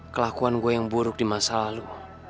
kelakuan gue yang buruk di masa lalu